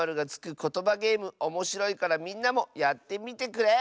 ことばゲームおもしろいからみんなもやってみてくれ！